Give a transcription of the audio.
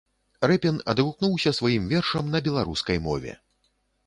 Рэпін адгукнуўся сваім вершам на беларускай мове.